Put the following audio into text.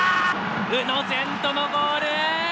宇野、前後のゴール。